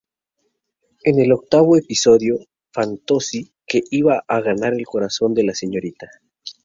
En el octavo episodio, Fantozzi, que iba a ganar el corazón de la Srta.